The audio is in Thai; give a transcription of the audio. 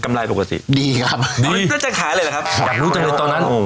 กำไรปกติดีครับดีแล้วจะขายอะไรแหละครับอยากรู้จังเลยตอนนั้นโอ้